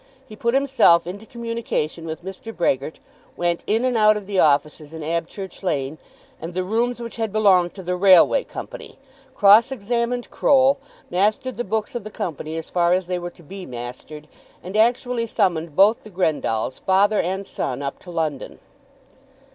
He put himself into communication with Mr. Brehgert, went in and out of the offices in Abchurch Lane and the rooms which had belonged to the Railway Company, cross examined Croll, mastered the books of the Company as far as they were to be mastered, and actually summoned both the Grendalls, father and son, up to London.